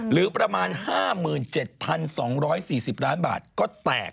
หรือประมาณ๕๗๒๔๐ล้านบาทก็แตก